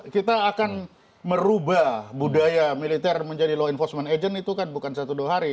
kita akan merubah budaya militer menjadi law enforcement agent itu kan bukan satu dua hari